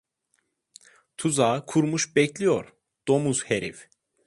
Tuzağı kurmuş bekliyor, domuz herif!